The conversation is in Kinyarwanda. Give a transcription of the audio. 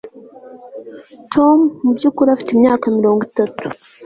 Tom mubyukuri afite imyaka mirongo itatu